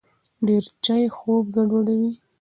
ډېر چای خوب ګډوډوي.